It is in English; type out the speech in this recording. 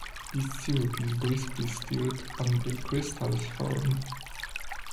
This syrup is briskly stirred until crystals form.